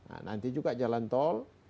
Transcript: nah nanti juga jalan tol